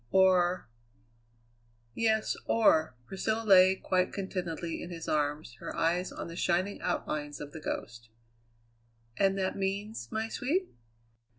Or " "Yes. Or " Priscilla lay quite contentedly in his arms, her eyes on the shining outlines of The Ghost. "And that means, my sweet?"